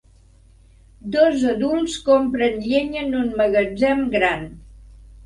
Dos adults compren llenya en un magatzem gran.